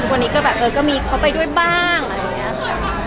วันนี้ก็แบบเออก็มีเค้าไปด้วยบ้างอะไรแบบนี้